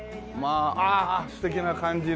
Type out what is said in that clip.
ああ素敵な感じの。